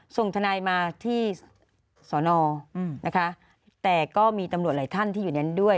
ส่งทนายมาที่สอนอนะคะแต่ก็มีตำรวจหลายท่านที่อยู่นั้นด้วย